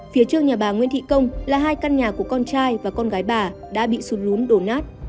phía trước nhà bà nguyễn thị công là hai căn nhà của con trai và con gái bà đã bị sụt lún đổ nát